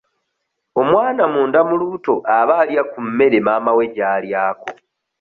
Omwana munda mu lubuto aba alya ku mmere maama we gy'alyako.